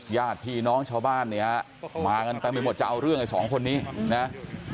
ญาติพี่น้องชาวบ้านเนี่ยมากันเต็มไปหมดจะเอาเรื่องไอ้สองคนนี้นะ